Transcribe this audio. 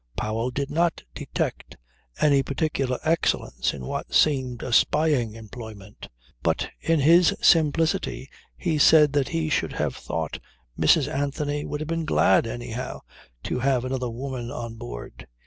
Powell did not detect any particular excellence in what seemed a spying employment. But in his simplicity he said that he should have thought Mrs. Anthony would have been glad anyhow to have another woman on board.